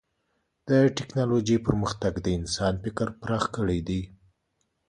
د ټکنالوجۍ پرمختګ د انسان فکر پراخ کړی دی.